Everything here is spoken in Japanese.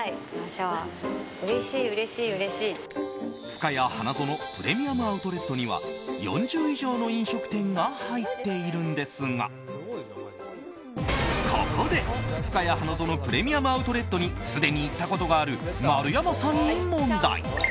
ふかや花園プレミアム・アウトレットには４０以上の飲食店が入っているんですがここで、ふかや花園プレミアム・アウトレットにすでに行ったことがある丸山さんに問題。